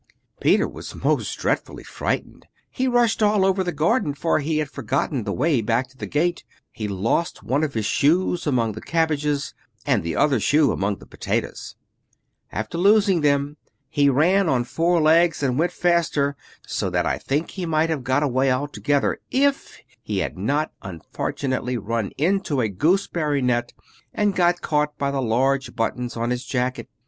Peter was most dreadfully frightened; he rushed all over the garden, for he had forgotten the way back to the gate. He lost one of his shoes among the cabbages, and the other shoe amongst the potatoes. After losing them, he ran on four legs and went faster, so that I think he might have got away altogether if he had not unfortunately run into a gooseberry net, and got caught by the large buttons on his jacket.